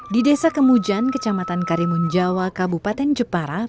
di desa kemujan kecamatan karimun jawa kabupaten jepara